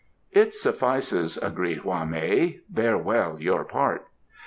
"It suffices," agreed Hwa mei. "Bear well your part."